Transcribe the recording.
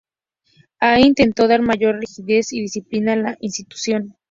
Allí intento dar mayor rigidez y disciplina a la institución.